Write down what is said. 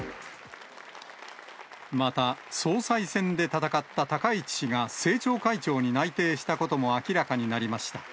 また、総裁選で戦った高市氏が政調会長に内定したことも明らかになりました。